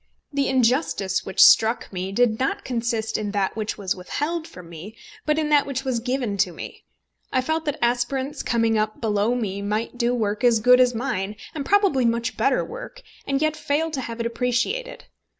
The injustice which struck me did not consist in that which was withheld from me, but in that which was given to me. I felt that aspirants coming up below me might do work as good as mine, and probably much better work, and yet fail to have it appreciated.